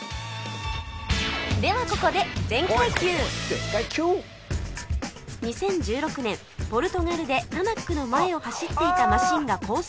ではここで２０１６年ポルトガルでタナックの前を走っていたマシンがコース